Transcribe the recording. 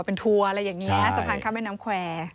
เป็นทัวร์อะไรอย่างนี้สะพานข้ามแม่น้ำแควร์